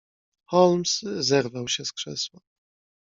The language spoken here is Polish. "Holmes zerwał się z krzesła."